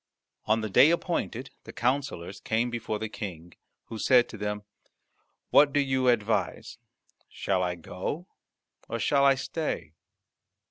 On the day appointed the counsellors came before the King, who said to them, "What do you advise? Shall I go, or shall I stay?"